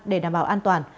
để đảm bảo an toàn